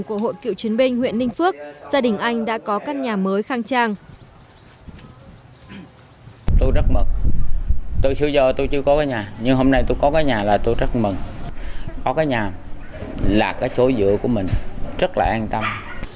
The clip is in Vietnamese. của hội cựu chiến binh huyện ninh phước gia đình anh đã có căn nhà mới khang trang